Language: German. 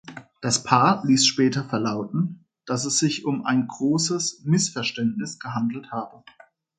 Das Paar ließ später verlauten, dass es sich um ein großes Missverständnis gehandelt habe.